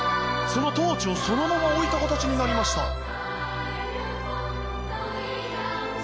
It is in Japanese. そのトーチをそのまま置いた形になりました。